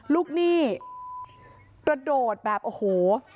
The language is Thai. หนี้กระโดดแบบโอ้โห